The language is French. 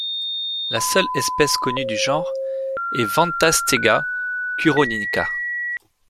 La seule espèce connue du genre est Ventastega curonica.